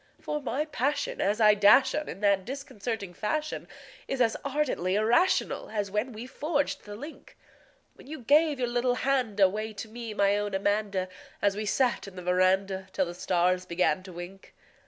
For my passion as I dash on in that disconcerting fashion Is as ardently irrational as when we forged the link When you gave your little hand away to me, my own Amanda An we sat 'n the veranda till the stars began to wink.